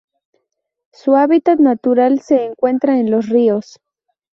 Su hábitat natural se encuentra en los ríos.